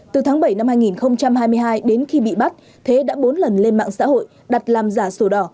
từ tháng bảy năm hai nghìn hai mươi hai đến khi bị bắt thế đã bốn lần lên mạng xã hội đặt làm giả sổ đỏ